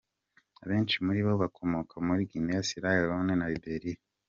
Abenshi muri bo bakomoka muri Guinea, Sierra Leone na Liberia.